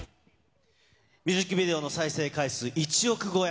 ミュージックビデオの再生回数１億超え。